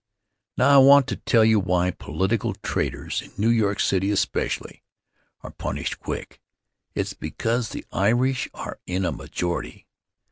Now I want to tell you why political traitors, in New York City especially, are punished quick. It's because the Irish are in a majority.